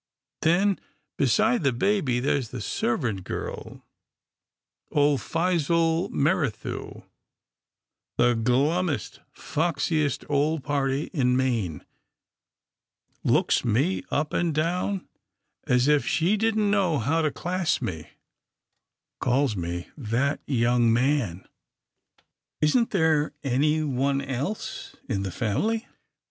Then, beside the baby, there's the servant girl, old Phizelle Merrithew, the glum mest, foxiest old party in Maine — looks me up 334 'TILDA JANE'S ORPHANS and down as if she didn't know how to class me, calls me * that young man/ " Isn't there anyone else in the family?